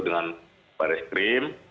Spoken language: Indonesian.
dengan baris krim